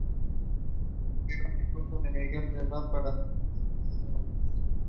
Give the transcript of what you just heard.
Inspiró e impulsó a Miguel Servet para que se dedicara a la medicina.